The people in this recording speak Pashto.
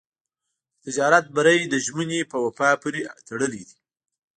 د تجارت بری د ژمنې په وفا پورې تړلی دی.